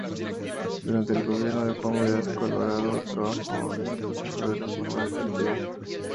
Durante el gobierno de Juan Velasco Alvarado, trabajó en el proceso de reforma educativa.